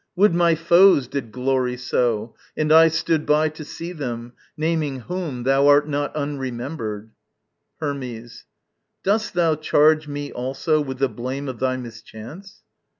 would my foes did glory so, And I stood by to see them! naming whom, Thou art not unremembered. Hermes. Dost thou charge Me also with the blame of thy mischance?